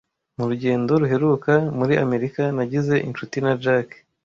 Mu rugendo ruheruka muri Amerika, nagize inshuti na Jack.